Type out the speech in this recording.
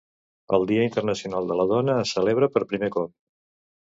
El Dia Internacional de la Dona es celebra per 'primer cop'.